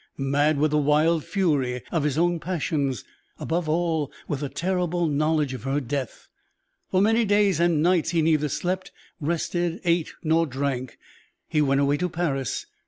Mad with the wild fury of his own passions above all, with the terrible knowledge of her death for many days and nights he neither slept, rested, ate, nor drank. He went away to Paris.